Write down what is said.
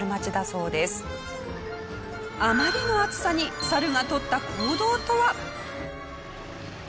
あまりの暑さにサルが取った行動とは。